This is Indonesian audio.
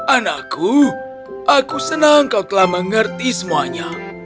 anakku aku senang kau telah mengerti semuanya